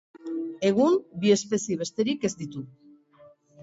Egun bi espezie besterik ez ditu.